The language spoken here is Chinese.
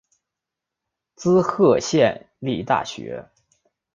滋贺县立大学